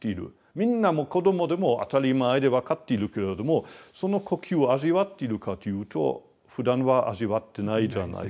みんなもう子どもでも当たり前で分かっているけれどもその呼吸を味わっているかというとふだんは味わってないじゃないですか。